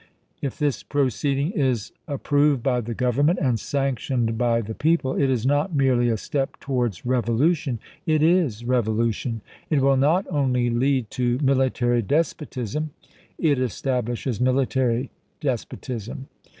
.. If this proceeding is approved by the Gov ernment, and sanctioned by the people, it is not merely a 342 ABRAHAM LINCOLN Chap. xii. step towards revolution — it is revolution $ it will not only lead to military despotism — it establishes military despotism.